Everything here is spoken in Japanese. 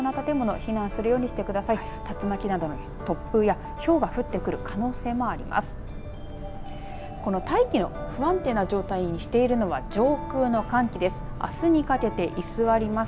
竜巻などの突風やひょうが降ってくる可能性もあります。